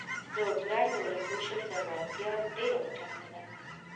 د اوکراین د ولسمشر زړورتیا ډیره اوچته ده.